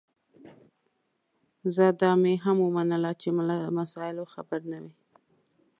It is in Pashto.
ځه دا مي هم ومنله چي له مسایلو خبر نه وې